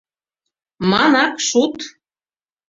Манак, шут